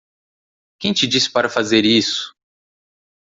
Quem te disse para fazer isso?